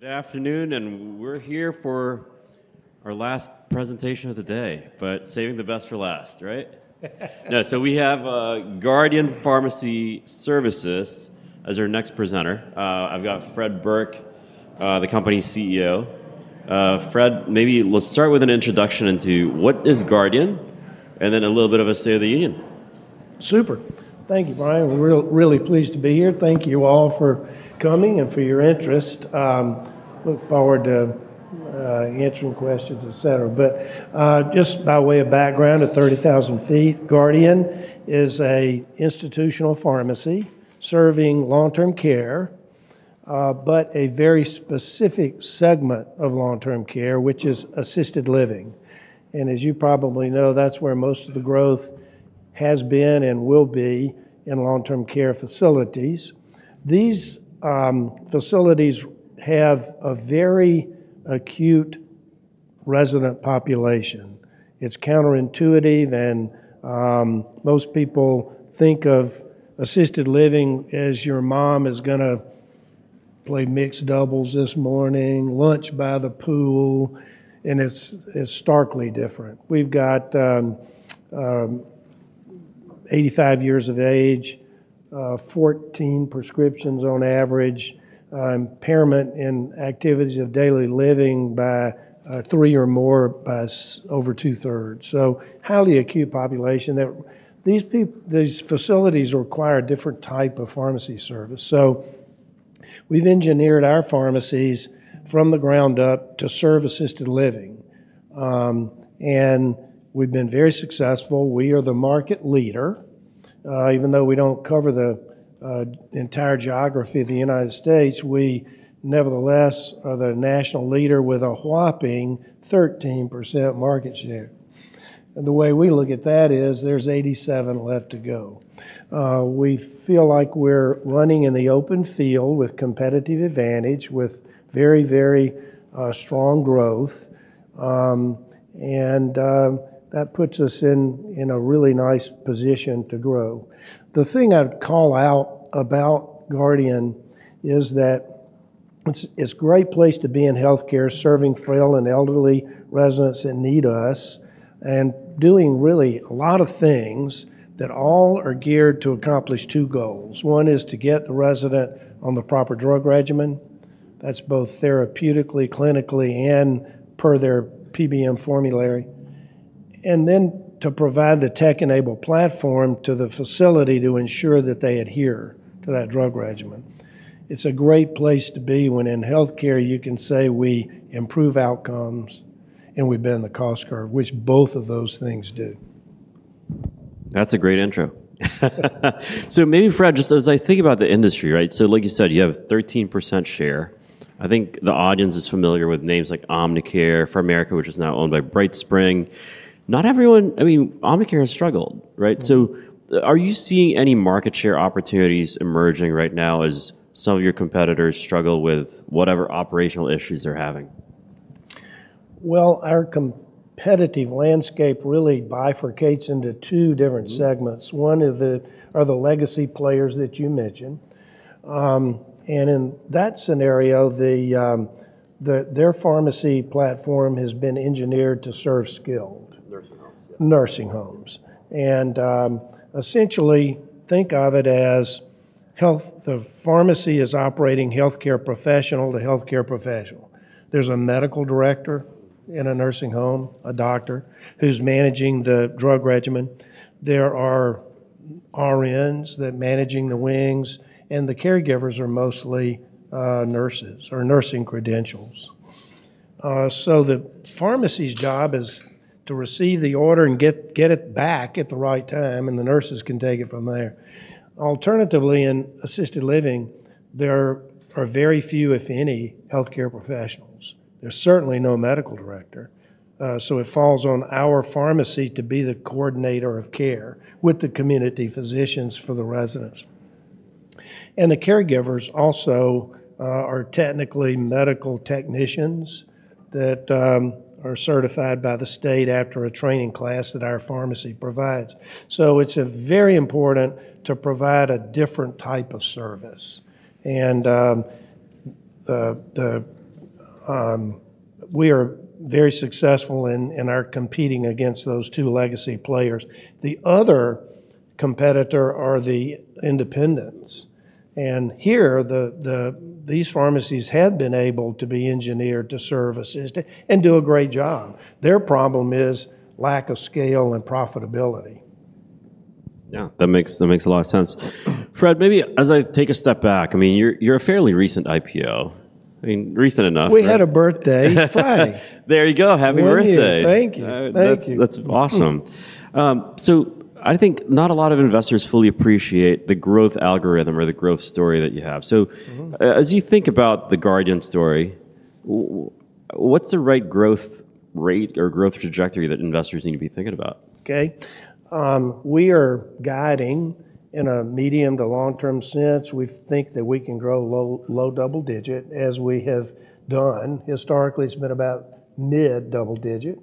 Good afternoon, and we're here for our last presentation of the day, saving the best for last, right? We have Guardian Pharmacy Services as our next presenter. I've got Fred Burke, the company CEO. Fred, maybe let's start with an introduction into what is Guardian and then a little bit of a State of the Union. Super. Thank you, Brian. We're really pleased to be here. Thank you all for coming and for your interest. Look forward to answering questions, et cetera. Just by way of background, at 30,000 feet, Guardian Pharmacy is an institutional pharmacy serving long-term care, but a very specific segment of long-term care, which is assisted living. As you probably know, that's where most of the growth has been and will be in long-term care facilities. These facilities have a very acute resident population. It's counterintuitive, and most people think of assisted living as your mom is going to play mixed doubles this morning, lunch by the pool, and it's starkly different. We've got 85 years of age, 14 prescriptions on average, impairment in activities of daily living by three or more by over two-thirds. Highly acute population. These facilities require a different type of pharmacy service. We've engineered our pharmacies from the ground up to serve assisted living. We've been very successful. We are the market leader. Even though we don't cover the entire geography of the United States, we nevertheless are the national leader with a whopping 13% market share. The way we look at that is there's 87% left to go. We feel like we're running in the open field with competitive advantage, with very, very strong growth. That puts us in a really nice position to grow. The thing I'd call out about Guardian Pharmacy Services is that it's a great place to be in healthcare serving frail and elderly residents in need of us and doing really a lot of things that all are geared to accomplish two goals. One is to get the resident on the proper drug regimen. That's both therapeutically, clinically, and per their PBM formulary. Then to provide the tech-enabled platform to the facility to ensure that they adhere to that drug regimen. It's a great place to be when in healthcare you can say we improve outcomes and we've been in the cost curve, which both of those things do. That's a great intro. Maybe Fred, just as I think about the industry, right? Like you said, you have a 13% share. I think the audience is familiar with names like Omnicare, which is now owned by BrightSpring. Not everyone, I mean, Omnicare has struggled, right? Are you seeing any market share opportunities emerging right now as some of your competitors struggle with whatever operational issues they're having? Our competitive landscape really bifurcates into two different segments. One is the legacy players that you mentioned. In that scenario, their pharmacy platform has been engineered to serve skilled nursing homes. Essentially, think of it as the pharmacy is operating healthcare professional to healthcare professional. There's a medical director in a nursing home, a doctor who's managing the drug regimen. There are RNs that are managing the wings, and the caregivers are mostly nurses or nursing credentials. The pharmacy's job is to receive the order and get it back at the right time, and the nurses can take it from there. Alternatively, in assisted living, there are very few, if any, healthcare professionals. There's certainly no medical director. It falls on our pharmacy to be the coordinator of care with the community physicians for the residents. The caregivers also are technically medical technicians that are certified by the state after a training class that our pharmacy provides. It's very important to provide a different type of service. We are very successful in our competing against those two legacy players. The other competitor is the independents. These pharmacies have been able to be engineered to services and do a great job. Their problem is lack of scale and profitability. Yeah, that makes a lot of sense. Fred, maybe as I take a step back, I mean, you're a fairly recent IPO, I mean, recent enough. We had a birthday in May. There you go. Happy birthday. Thank you. That's awesome. I think not a lot of investors fully appreciate the growth algorithm or the growth story that you have. As you think about the Guardian story, what's the right growth rate or growth trajectory that investors need to be thinking about? Okay. We are guiding in a medium to long-term sense. We think that we can grow low double digit, as we have done historically. It's been about mid double digit.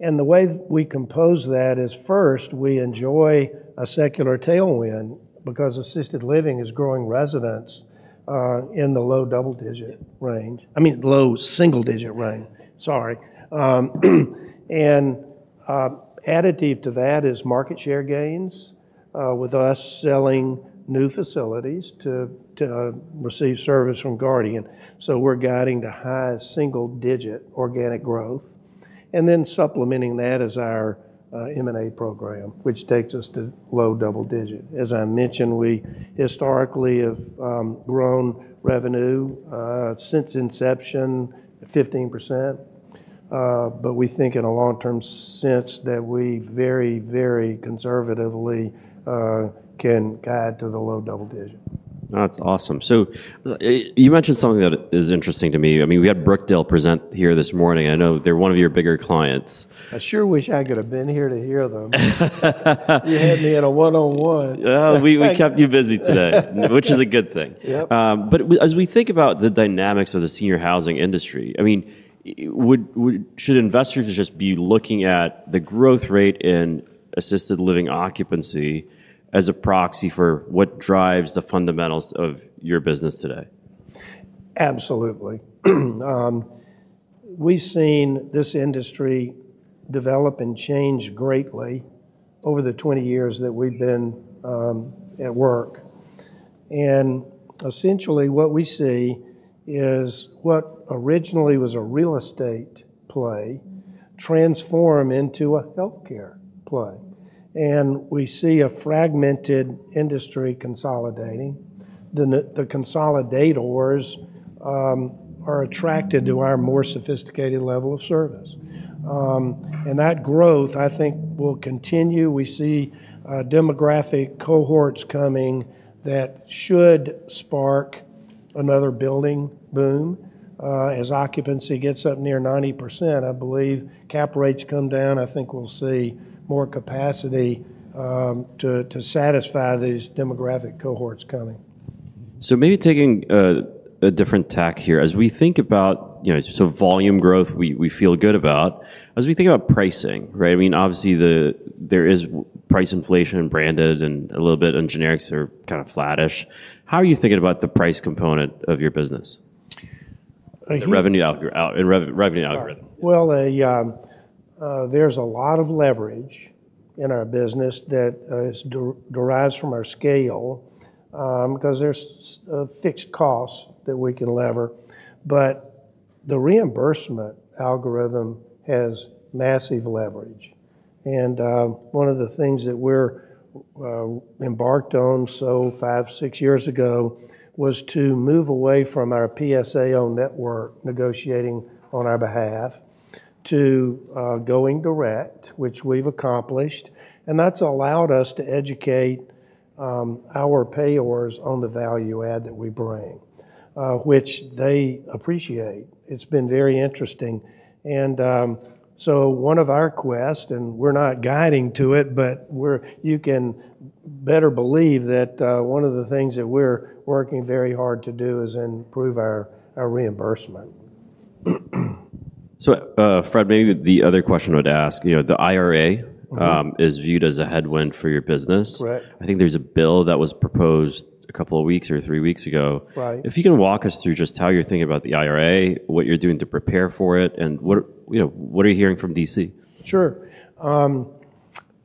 The way we compose that is first, we enjoy a secular tailwind because assisted living is growing residents in the low single digit range. I mean, low single digit range, sorry. Additive to that is market share gains with us selling new facilities to receive service from Guardian. We're guiding the highest single digit organic growth. Supplementing that is our M&A program, which takes us to low double digit. As I mentioned, we historically have grown revenue since inception at 15%. We think in a long-term sense that we very, very conservatively can guide to the low double digit. That's awesome. You mentioned something that is interesting to me. We had Brookdale present here this morning. I know they're one of your bigger clients. I sure wish I could have been here to hear them. You had me in a one-on-one. We kept you busy today, which is a good thing. Yep. As we think about the dynamics of the senior housing industry, should investors just be looking at the growth rate in assisted living occupancy as a proxy for what drives the fundamentals of your business today? Absolutely. We've seen this industry develop and change greatly over the 20 years that we've been at work. Essentially, what we see is what originally was a real estate play transform into a healthcare play. We see a fragmented industry consolidating. The consolidators are attracted to our more sophisticated level of service, and that growth, I think, will continue. We see demographic cohorts coming that should spark another building boom. As occupancy gets up near 90%, I believe cap rates come down. I think we'll see more capacity to satisfy these demographic cohorts coming. Maybe taking a different tack here, as we think about, you know, volume growth, we feel good about. As we think about pricing, right? I mean, obviously, there is price inflation in branded and a little bit in generics are kind of flattish. How are you thinking about the price component of your business? There is a lot of leverage in our business that derives from our scale because there are fixed costs that we can lever. The reimbursement algorithm has massive leverage. One of the things that we embarked on, five, six years ago, was to move away from our PSA on network negotiating on our behalf to going direct, which we've accomplished. That has allowed us to educate our payers on the value add that we bring, which they appreciate. It's been very interesting. One of our quests, and we're not guiding to it, but you can better believe that one of the things that we're working very hard to do is improve our reimbursement. Fred, maybe the other question I would ask, you know, the IRA is viewed as a headwind for your business. I think there's a bill that was proposed a couple of weeks or three weeks ago. If you can walk us through just how you're thinking about the IRA, what you're doing to prepare for it, and what are you hearing from D.C.? Sure.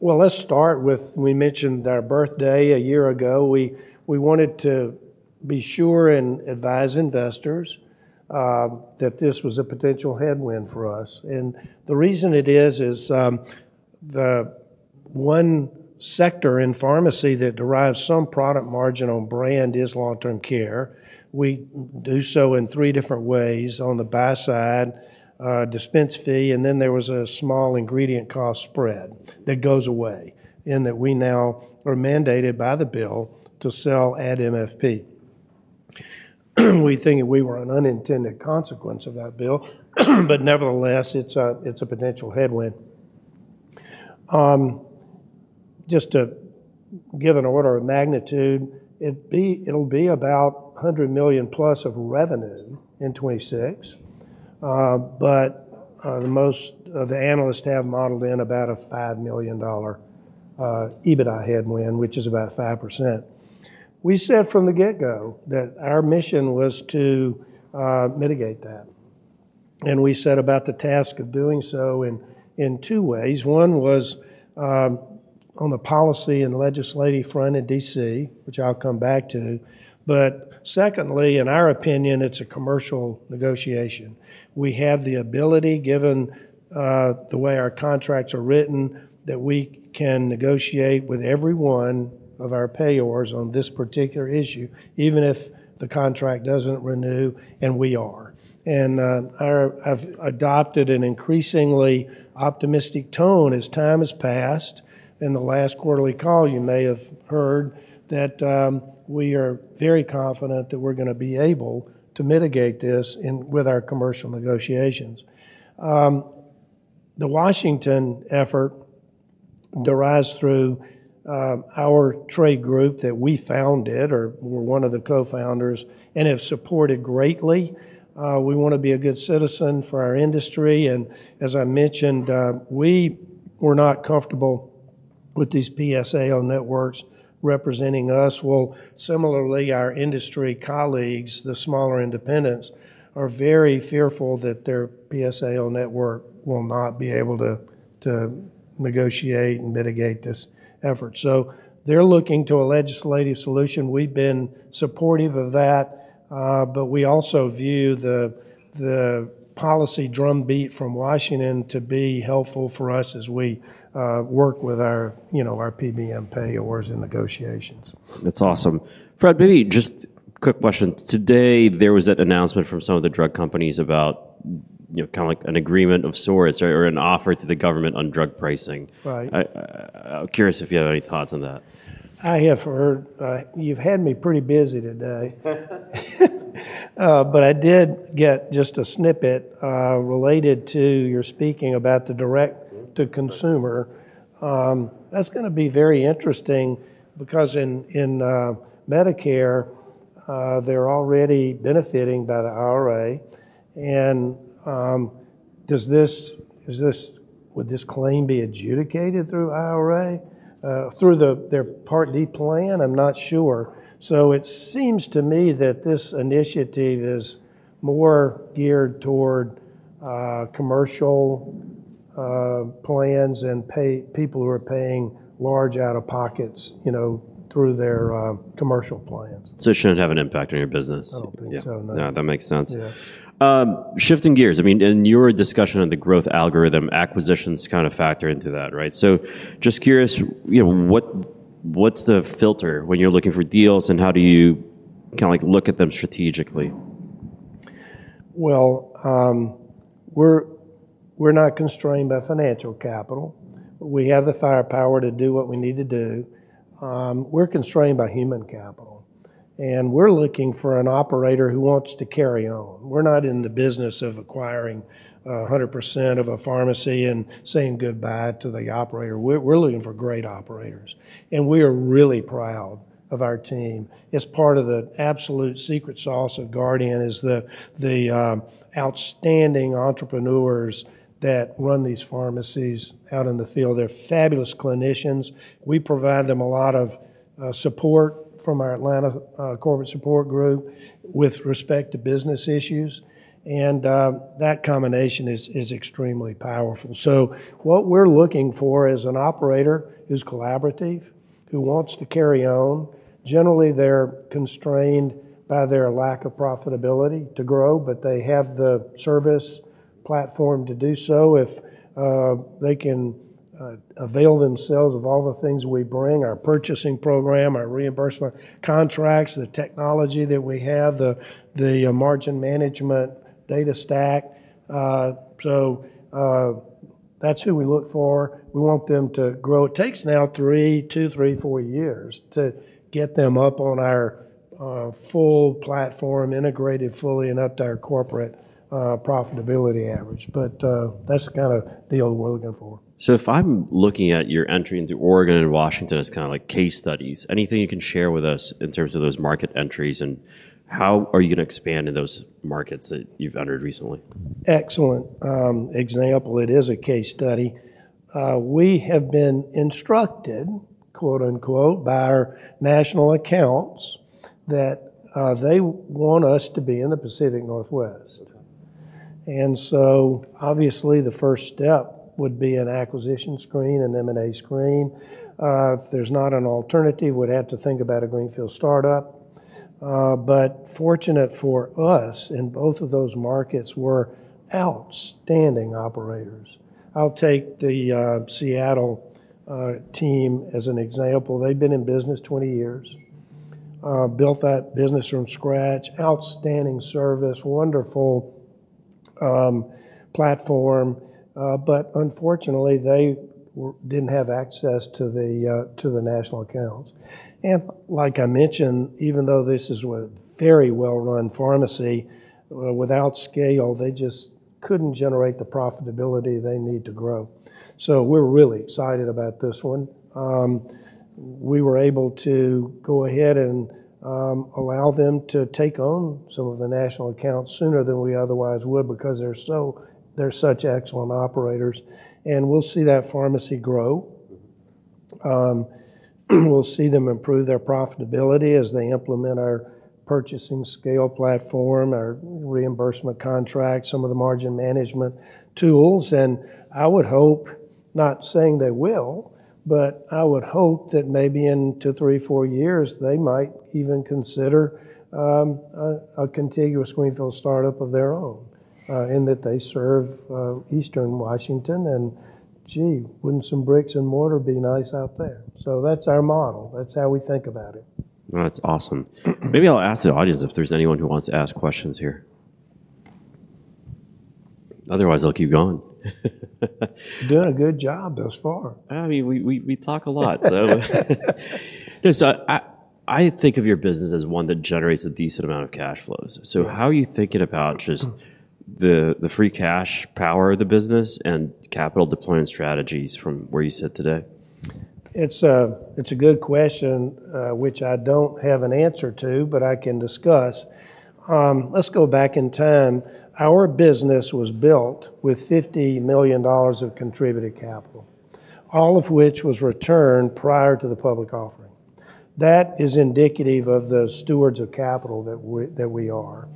Let's start with we mentioned our birthday a year ago. We wanted to be sure and advise investors that this was a potential headwind for us. The reason it is, is the one sector in pharmacy that derives some product margin on brand is long-term care. We do so in three different ways: on the buy side, a dispense fee, and then there was a small ingredient cost spread that goes away in that we now are mandated by the bill to sell at MFP. We think we were an unintended consequence of that bill, nevertheless, it's a potential headwind. Just to give an order of magnitude, it'll be about $100 million plus of revenue in 2026. Most of the analysts have modeled in about a $5 million EBITDA headwind, which is about 5%. We said from the get-go that our mission was to mitigate that. We set about the task of doing so in two ways. One was on the policy and legislative front in D.C., which I'll come back to. Secondly, in our opinion, it's a commercial negotiation. We have the ability, given the way our contracts are written, that we can negotiate with every one of our payers on this particular issue, even if the contract doesn't renew and we are. I've adopted an increasingly optimistic tone as time has passed. In the last quarterly call, you may have heard that we are very confident that we're going to be able to mitigate this with our commercial negotiations. The Washington effort derives through our trade group that we founded or were one of the co-founders and have supported greatly. We want to be a good citizen for our industry. As I mentioned, we were not comfortable with these PSAO networks representing us. Similarly, our industry colleagues, the smaller independents, are very fearful that their PSAO network will not be able to negotiate and mitigate this effort. They're looking to a legislative solution. We've been supportive of that. We also view the policy drumbeat from Washington to be helpful for us as we work with our PBM payers and negotiations. That's awesome. Fred, maybe just a quick question. Today, there was an announcement from some of the drug companies about kind of like an agreement of sorts or an offer to the government on drug pricing. I'm curious if you have any thoughts on that. I have heard you've had me pretty busy today. I did get just a snippet related to your speaking about the direct-to-consumer. That's going to be very interesting because in Medicare, they're already benefiting by the IRA. Does this, would this claim be adjudicated through the IRA? Through their Part D plan? I'm not sure. It seems to me that this initiative is more geared toward commercial plans and people who are paying large out-of-pockets, you know, through their commercial plans. It shouldn't have an impact on your business. No, no. Yeah, that makes sense. Shifting gears, in your discussion on the growth algorithm, acquisitions kind of factor into that, right? Just curious, what's the filter when you're looking for deals and how do you kind of like look at them strategically? We're not constrained by financial capital. We have the firepower to do what we need to do. We're constrained by human capital. We're looking for an operator who wants to carry on. We're not in the business of acquiring 100% of a pharmacy and saying goodbye to the operator. We're looking for great operators. We're really proud of our team. It's part of the absolute secret sauce of Guardian Pharmacy Services, the outstanding entrepreneurs that run these pharmacies out in the field. They're fabulous clinicians. We provide them a lot of support from our Atlanta Corporate Support Group with respect to business issues. That combination is extremely powerful. What we're looking for is an operator who's collaborative, who wants to carry on. Generally, they're constrained by their lack of profitability to grow, but they have the service platform to do so. If they can avail themselves of all the things we bring, our purchasing program, our reimbursement contracts, the technology that we have, the margin management data stack, that's who we look for. We want them to grow. It takes now two, three, four years to get them up on our full platform, integrated fully and up to our corporate profitability average. That's kind of the old we're looking for. If I'm looking at your entry into Oregon and Washington as kind of like case studies, anything you can share with us in terms of those market entries and how are you going to expand in those markets that you've entered recently? Excellent example. It is a case study. We have been instructed, quote unquote, by our national accounts that they want us to be in the Pacific Northwest. Obviously, the first step would be an acquisition screen, an M&A screen. If there's not an alternative, we'd have to think about a greenfield startup. Fortunately for us, in both of those markets, we're outstanding operators. I'll take the Seattle team as an example. They've been in business 20 years, built that business from scratch, outstanding service, wonderful platform. Unfortunately, they didn't have access to the national accounts. Like I mentioned, even though this is a very well-run pharmacy, without scale, they just couldn't generate the profitability they need to grow. We're really excited about this one. We were able to go ahead and allow them to take on some of the national accounts sooner than we otherwise would because they're such excellent operators. We'll see that pharmacy grow. We'll see them improve their profitability as they implement our purchasing scale platform, our reimbursement contract, some of the margin management tools. I would hope, not saying they will, but I would hope that maybe in two, three, four years, they might even consider a contiguous greenfield startup of their own in that they serve Eastern Washington. Gee, wouldn't some bricks and mortar be nice out there? That's our model. That's how we think about it. That's awesome. Maybe I'll ask the audience if there's anyone who wants to ask questions here. Otherwise, I'll keep going. Good job thus far. I mean, we talk a lot. I think of your business as one that generates a decent amount of cash flows. How are you thinking about just the free cash power of the business and capital deployment strategies from where you sit today? It's a good question, which I don't have an answer to, but I can discuss. Let's go back in time. Our business was built with $50 million of contributed capital, all of which was returned prior to the public offering. That is indicative of the stewards of capital that we are.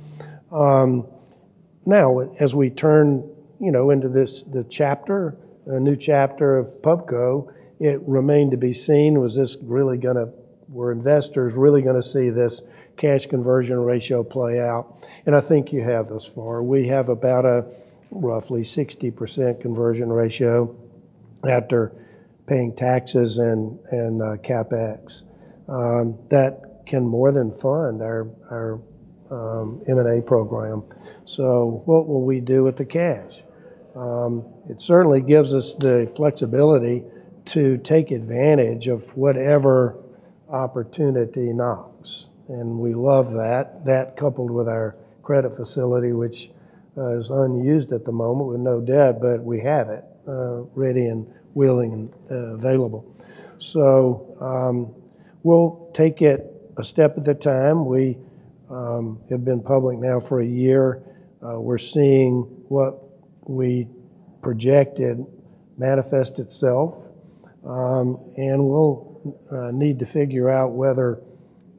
Now, as we turn into this chapter, a new chapter of PubCo, it remained to be seen. Were investors really going to see this cash conversion ratio play out? I think you have thus far. We have about a roughly 60% conversion ratio after paying taxes and CapEx. That can more than fund our M&A program. What will we do with the cash? It certainly gives us the flexibility to take advantage of whatever opportunity knocks. We love that. That, coupled with our credit facility, which is unused at the moment with no debt, but we had it ready and willing and available. We'll take it a step at a time. We have been public now for a year. We're seeing what we projected manifest itself. We'll need to figure out whether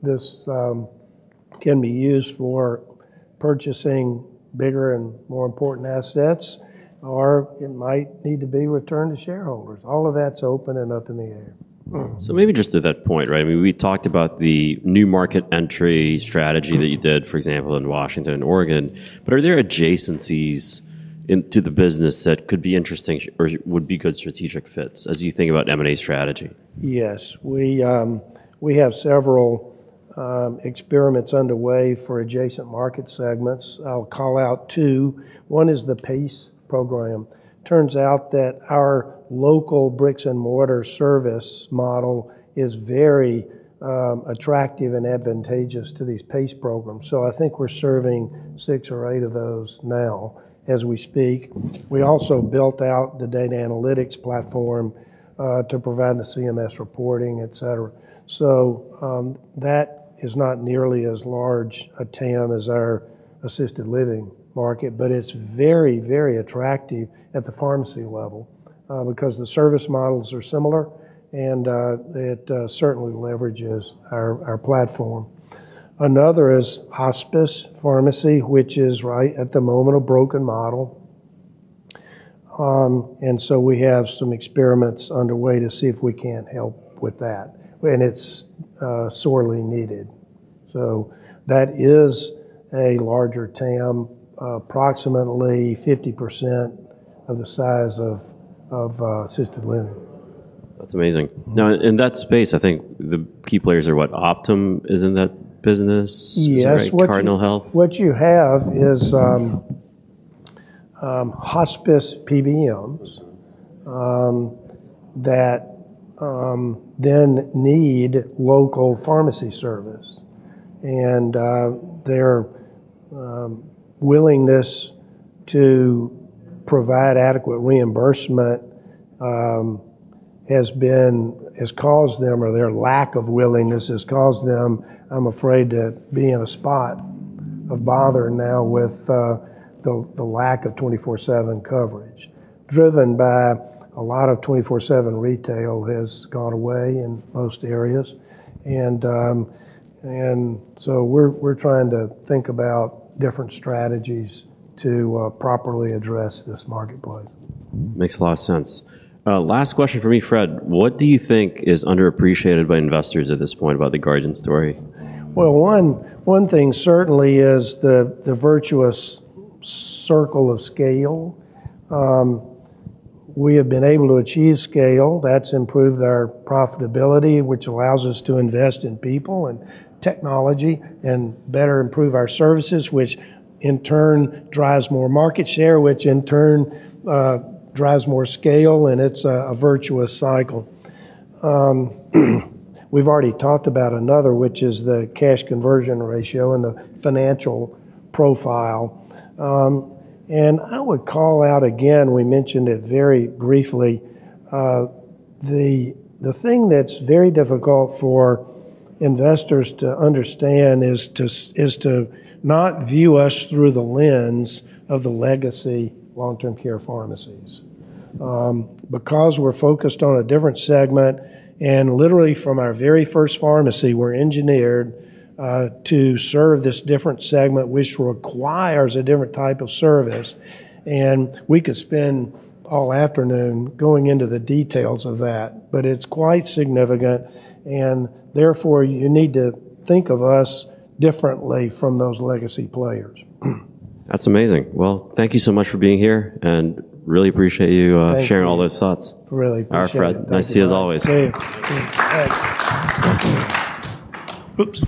this can be used for purchasing bigger and more important assets, or it might need to be returned to shareholders. All of that's open and up in the air. Maybe just to that point, right? I mean, we talked about the new market entry strategy that you did, for example, in Washington and Oregon. Are there adjacencies to the business that could be interesting or would be good strategic fits as you think about M&A strategy? Yes, we have several experiments underway for adjacent market segments. I'll call out two. One is the PACE programs. Turns out that our local bricks and mortar service model is very attractive and advantageous to these PACE programs. I think we're serving six or eight of those now as we speak. We also built out the data analytics platform to provide the CMS reporting, et cetera. That is not nearly as large a TAM as our assisted living market, but it's very, very attractive at the pharmacy level because the service models are similar, and it certainly leverages our platform. Another is Hospice Pharmacy, which is right at the moment a broken model. We have some experiments underway to see if we can't help with that. It's sorely needed. That is a larger TAM, approximately 50% of the size of assisted living. That's amazing. Now, in that space, I think the key players are what? Optum is in that business? Yes. Cardinal Health? What you have is hospice PBMs that then need local pharmacy service. Their willingness to provide adequate reimbursement has caused them, or their lack of willingness has caused them, I'm afraid, to be in a spot of bother now with the lack of 24/7 coverage. Driven by a lot of 24/7 retail has gone away in most areas. We are trying to think about different strategies to properly address this market. Makes a lot of sense. Last question for me, Fred. What do you think is underappreciated by investors at this point about the Guardian story? One thing certainly is the virtuous cycle of scale. We have been able to achieve scale. That's improved our profitability, which allows us to invest in people and technology and better improve our services, which in turn drives more market share, which in turn drives more scale. It's a virtuous cycle. We've already talked about another, which is the cash conversion ratio and the financial profile. I would call out again, we mentioned it very briefly, the thing that's very difficult for investors to understand is to not view us through the lens of the legacy long-term care pharmacies. We're focused on a different segment, and literally from our very first pharmacy, we're engineered to serve this different segment, which requires a different type of service. We could spend all afternoon going into the details of that, but it's quite significant. Therefore, you need to think of us differently from those legacy players. That's amazing. Thank you so much for being here, and really appreciate you sharing all those thoughts. Really appreciate it. All right, Fred. Nice to see you as always. Thanks.